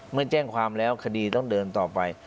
เมื่อแจ้งความแล้วคดีต้องเดินต่อไป